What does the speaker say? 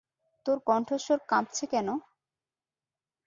তোর কণ্ঠস্বর কাঁপছে কেন?